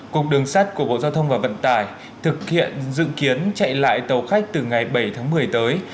cục đường sắt của bộ giao thông và vận tải thực hiện dự kiến chạy lại tàu khách từ ngày bảy tháng một mươi tới